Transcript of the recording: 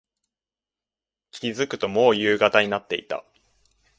気付くと、もう夕方になっていた。